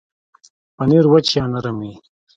پنېر وچ یا نرم وي.